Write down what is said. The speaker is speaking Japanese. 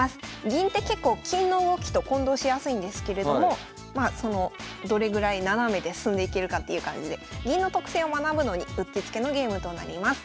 銀って結構金の動きと混同しやすいんですけれどもまあそのどれぐらい斜めで進んでいけるかっていう感じで銀の特性を学ぶのにうってつけのゲームとなります。